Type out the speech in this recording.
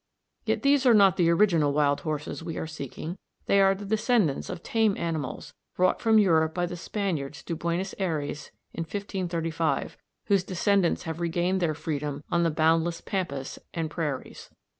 Yet these are not the original wild horses we are seeking, they are the descendants of tame animals, brought from Europe by the Spaniards to Buenos Ayres in 1535, whose descendants have regained their freedom on the boundless pampas and prairies.